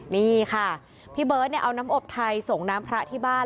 นี่ค่ะพี่เบิร์ตเอาน้ำอบไทยส่งน้ำพระที่บ้าน